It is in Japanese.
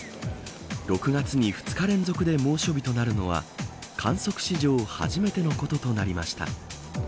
６月に２日連続で猛暑日となるのは観測史上初めてのこととなりました。